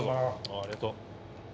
ありがとう。